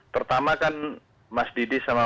pertama kan mas didi sama